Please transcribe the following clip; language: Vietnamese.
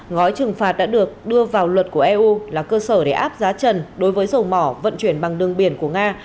gói trừng phạt đã được đưa vào luật của eu là cơ sở để áp giá trần đối với dầu mỏ vận chuyển bằng đường biển của nga